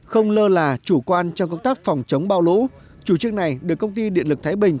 không lơ là chủ quan trong công tác phòng chống bão lũ chủ trương này được công ty điện lực thái bình